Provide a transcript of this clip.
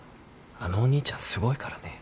あのお兄ちゃんすごいからね。